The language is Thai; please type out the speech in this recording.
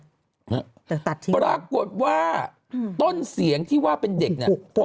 แต่ถัดทิ้งละครับะทำไมปรากฏว่าต้นเสียงที่ว่าเป็นเด็กเนี่ย